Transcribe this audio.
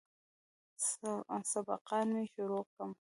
سبقان مې شروع کم.